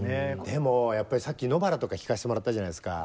でもさっき「野ばら」とか聴かしてもらったじゃないですか。